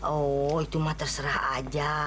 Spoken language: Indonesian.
oh itu mah terserah aja